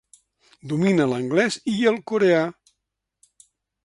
Domina l'anglès i el coreà.